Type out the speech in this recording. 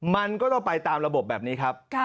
มันก็ต้องไปตามระบบแบบนี้ครับ